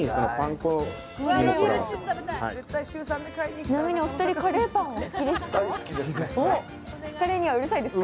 ちなみにお二人カレーパンはお好きですか？